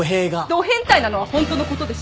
ど変態なのはホントのことでしょ。